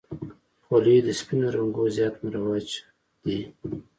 خولۍ د سپینو رنګو زیات مروج دی.